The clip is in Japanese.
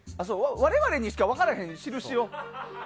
我々にしか分からへん印を。